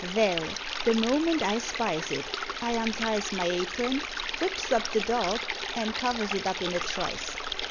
Vell, the moment I spies it, I unties my apron, whips up the dog, and covers it up in a trice.